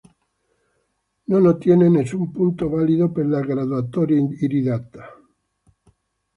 Non ottiene nessun punto valido per la graduatoria iridata.